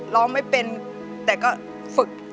ร้องไม่เป็นแต่ก็ฝึก